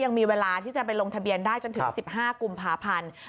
ยังมีเวลาที่จะไปลงทะเบียนได้จนถึง๑๕กุมภาพันธ์